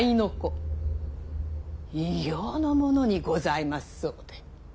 異形のものにございますそうで！